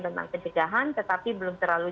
tentang pencegahan tetapi belum terlalu